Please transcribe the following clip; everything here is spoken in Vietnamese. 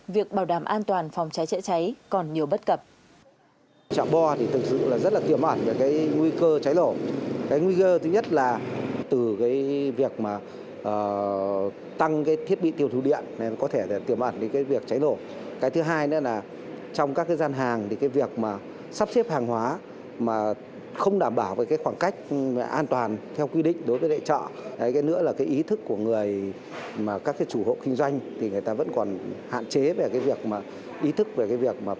việc bảo đảm an toàn phòng cháy chữa cháy còn nhiều bất cập